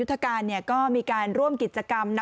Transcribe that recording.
พอพาไปดูก็จะพาไปดูที่เรื่องของเครื่องบินเฮลิคอปเตอร์ต่าง